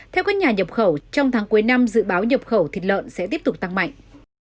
theo các nhà nhập khẩu trong tháng cuối năm dự báo nhập khẩu thịt lợn sẽ tiếp tục tăng mạnh